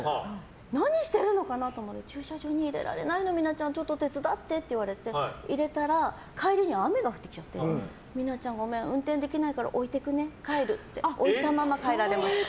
何してるのかなと思ったら駐車場に入れられないの手伝ってって言われて入れたら帰りに雨が降ってきちゃって美奈代ちゃんごめん運転できないから置いていくね帰るって置いたまま帰られました。